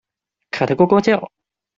卡得呱呱叫